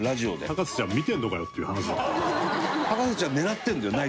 『博士ちゃん』見てんのかよっていう話だけどね。